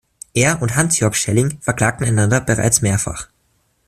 Er und Hans Jörg Schelling verklagten einander bereits mehrfach.